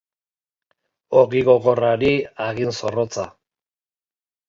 Ogi gogorrari, hagin zorrotza.